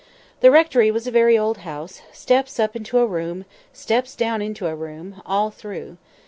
The rectory was a very old house—steps up into a room, steps down into a room, all through.